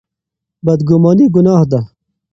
بدګماني ګناه ده.